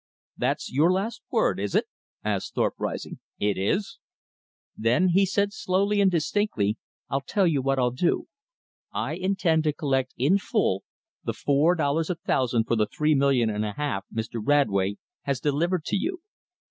"That's your last word, is it?" asked Thorpe, rising. "It is." "Then," said he slowly and distinctly, "I'll tell you what I'll do. I intend to collect in full the four dollars a thousand for the three million and a half Mr. Radway has delivered to you.